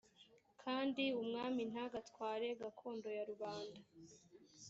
kandi umwami ntagatware gakondo ya rubanda